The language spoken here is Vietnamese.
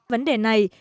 vấn đề này